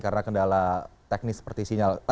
karena kendala teknis seperti sinyal